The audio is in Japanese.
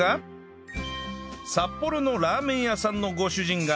札幌のラーメン屋さんのご主人が